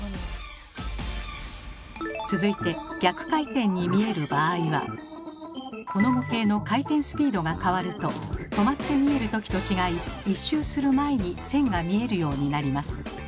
続いてこの模型の回転スピードが変わると止まって見える時と違い１周する前に線が見えるようになります。